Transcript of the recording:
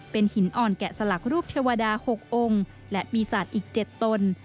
เป็นหินอ่อนแกะสลักรูปเทวดา๖องค์และปีศาจอีก๗ตน